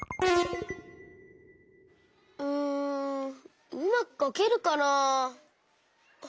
うんうまくかけるかなあ。